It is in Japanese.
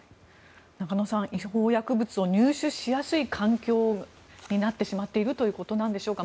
中野さん、違法薬物を入手しやすい環境になってしまっているということなんでしょうか。